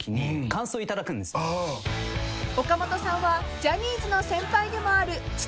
［岡本さんはジャニーズの先輩でもある父